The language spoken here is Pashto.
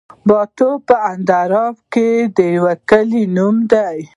باټا په اندړو کي د يو کلي نوم دی